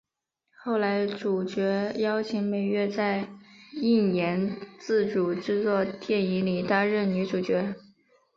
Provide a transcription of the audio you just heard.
后来主角邀请美月在映研自主制作电影里担任女主角。